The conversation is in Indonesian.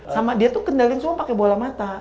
sama dia tuh kendalin semua pakai bola mata